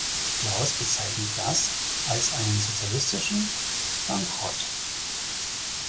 Klaus bezeichnet das als einen sozialistischen Bankrott.